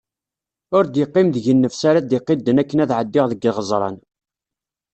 Ur d-yeqqim deg-i nnefs ara iqiden akken ad ɛeddiɣ deg iɣeẓṛan.